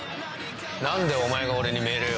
何でお前が俺に命令を。